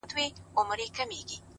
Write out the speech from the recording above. • یا د جنګ پر ډګر موږ پهلواني کړه,